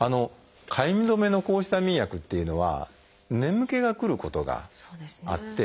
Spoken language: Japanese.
かゆみ止めの抗ヒスタミン薬っていうのは眠気がくることがあって。